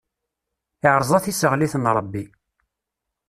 Iṛẓa tiseɣlit n Ṛebbi.